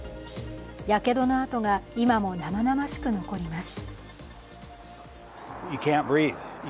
やけどの痕が今も生々しく残ります。